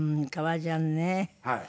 はい。